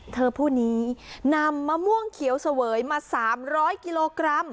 ผู้นี้นำมะม่วงเขียวเสวยมา๓๐๐กิโลกรัม